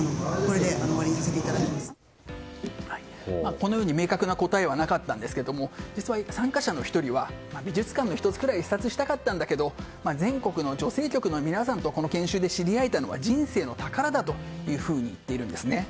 このように明確な答えはなかったんですけれども実は、参加者の１人は美術館の１つくらい視察したかったんだけど全国の女性局の皆さんとこの研修で知り合えたのは人生の宝だというふうに言っているんですね。